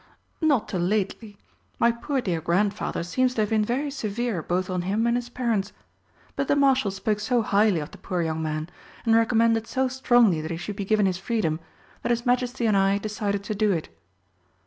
"Not till lately. My poor dear Grandfather seems to have been very severe both on him and his parents. But the Marshal spoke so highly of the poor young man, and recommended so strongly that he should be given his freedom, that his Majesty and I decided to do it."